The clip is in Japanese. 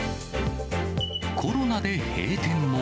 コロナで閉店も。